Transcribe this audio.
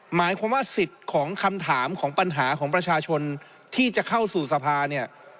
หมายความว่าสิทธิ์ของคำถามของปัญหาของประชาชนที่จะเข้าสู่สภาเนี่ย